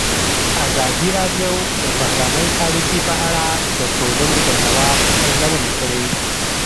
ازادي راډیو د بهرنۍ اړیکې په اړه د ټولنې د ځواب ارزونه کړې.